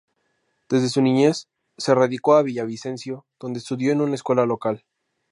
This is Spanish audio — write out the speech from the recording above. Desde su niñez se radicó a Villavicencio donde estudió en una escuela local.